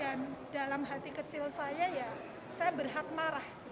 dan dalam hati kecil saya ya saya berhak marah